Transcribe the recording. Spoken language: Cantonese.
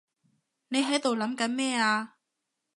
你喺度諗緊咩啊？